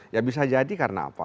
ya bisa jadi karena apa